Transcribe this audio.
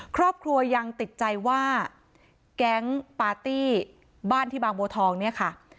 ครอบครัวยังติดใจว่าแก๊งปาร์ตี้บ้านที่บางบัวทองเนี่ยค่ะ